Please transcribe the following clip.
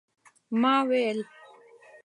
ما ویل